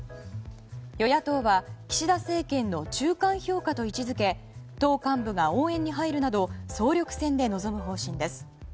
与野党は岸田政調会長の中間評価と位置づけ党幹部が応援に入るなど総力戦で臨む方針です。